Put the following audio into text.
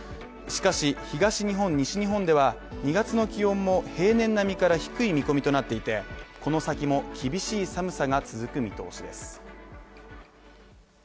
しかし、東日本、西日本では、２月の気温も平年並みか低い見込みとなっていて、この先も厳しい寒さが続く見通しです。